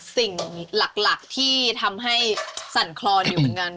สิ่งหลักที่ทำให้สั่นคลอนอยู่เหมือนกัน